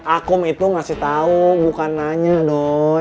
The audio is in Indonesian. akum itu ngasih tau bukan nanya doi